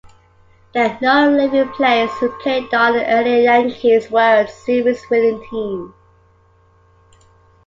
There are no living players who played on an earlier Yankees World Series-winning team.